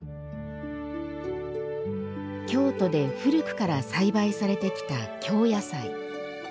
京都で古くから栽培されてきた京野菜。